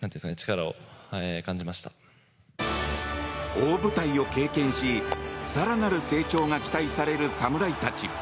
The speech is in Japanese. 大舞台を経験し更なる成長が期待される侍たち。